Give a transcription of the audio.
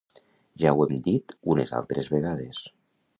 Ja ho hem dit unes altres vegades.